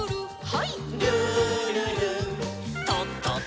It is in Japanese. はい。